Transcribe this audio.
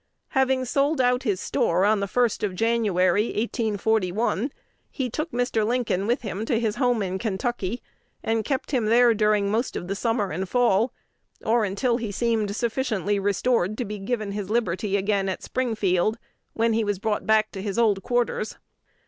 Having sold out his store on the 1st of January, 1841, he took Mr. Lincoln with him to his home in Kentucky, and kept him there during most of the summer and fall, or until he seemed sufficiently restored to be given his liberty again at Springfield, when he was brought back to his old quarters.